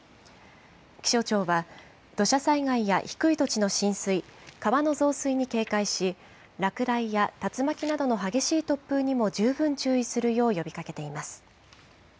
気象庁は、土砂災害や低い土地の浸水、川の増水に警戒し、落雷や竜巻などの激しい突風にも十分注意するよう呼びかけています。